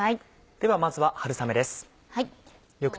ではまずは春雨です。